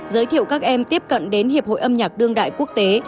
giới thiệu các em tiếp cận đến hiệp hội âm nhạc đương đại quốc tế